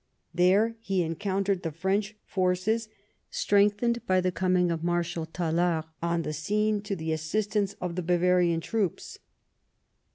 There he encountered the French forces, strengthened by the coming of Mar shal Tallard on the scene to the assistance of the Ba varian troops.